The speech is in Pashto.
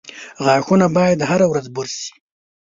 • غاښونه باید هره ورځ برس شي.